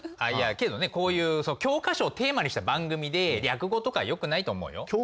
あっいやけどねこういう教科書をテーマにした番組で略語とかよくないと思うよ。